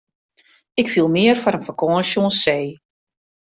Ik fiel mear foar in fakânsje oan see.